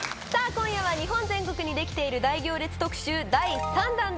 今夜は日本全国にできている大行列特集第３弾です！